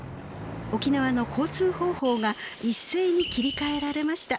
沖縄の交通方法が一斉に切り替えられました。